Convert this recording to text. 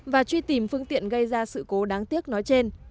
và truy tìm phương tiện gây ra sự cố đáng tiếc nói trên